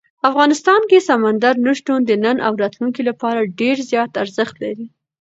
افغانستان کې سمندر نه شتون د نن او راتلونکي لپاره ډېر زیات ارزښت لري.